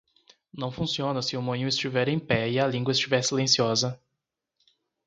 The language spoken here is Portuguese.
Não funciona se o moinho estiver em pé e a língua estiver silenciosa.